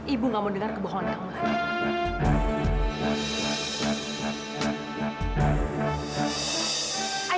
ibu nggak mau dengar kebohongan kamu lagi